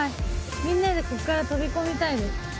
みんなでここから飛び込みたいです。